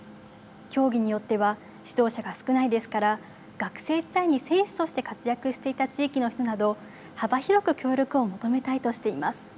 競技によっては指導者が少ないですから学生時代に選手として活躍していた地域の人など幅広く協力を求めたいとしています。